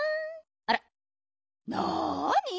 あらなに？